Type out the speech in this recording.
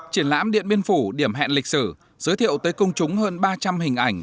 triển lãm điện biên phủ điểm hẹn lịch sử giới thiệu tới công chúng hơn ba trăm linh hình ảnh